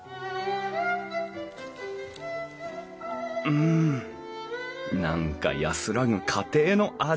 うん何か安らぐ家庭の味。